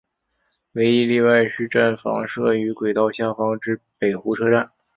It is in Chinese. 唯一例外是站房设于轨道下方之北湖车站。